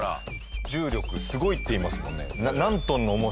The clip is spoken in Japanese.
重力すごいっていいますもんね。